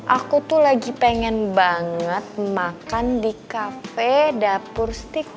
aku tuh lagi pengen banget makan di kafe dapur steak